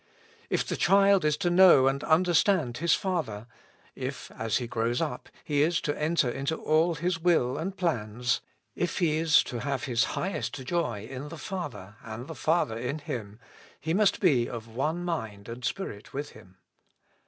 If the child is to know and understand his father ; if, as he grows up, he is to enter into all his will and plans ; if he is to have his highest joy in the father, and the father in him, — he must be of one mind and spirit with him.